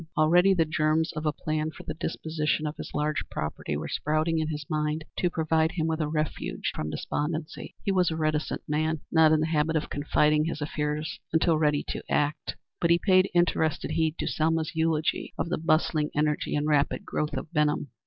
Already the germs of a plan for the disposition of his large property were sprouting in his mind to provide him with a refuge from despondency. He was a reticent man, not in the habit of confiding his affairs until ready to act, but he paid interested heed to Selma's eulogy of the bustling energy and rapid growth of Benham.